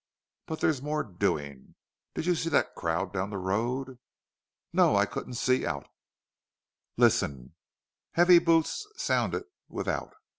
"But there's more doing. Did you see that crowd down the road?" "No. I couldn't see out." "Listen." Heavy tramp boots sounded without.